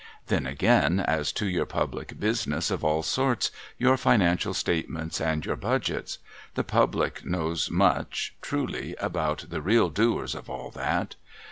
Then, again, as to your public business of all sorts, your Financial statements and your Budgets ; the Public knows much, truly, about the real doers of all that